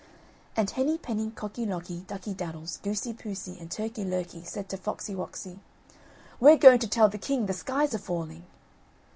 And Henny penny, Cocky locky, Ducky daddles, Goosey poosey, and Turkey lurkey said to Foxy woxy: "We're going to tell the king the sky's a falling."